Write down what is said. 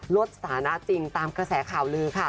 ลดสถานะจริงตามกระแสข่าวลือค่ะ